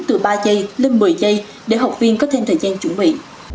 từ ba giây lên một mươi giây để học viên có thêm thời gian chuẩn bị